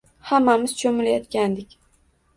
Hammamiz cho`milayotgandik